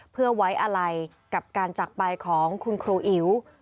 เพื่อไว้อะไรกับการจักรไปของคุณครูอิ๋ว